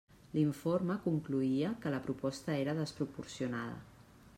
L'informe concloïa que la proposta era desproporcionada.